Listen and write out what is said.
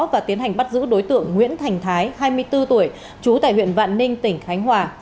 và tiến hành bắt giữ đối tượng nguyễn thành thái hai mươi bốn tuổi trú tại huyện vạn ninh tỉnh khánh hòa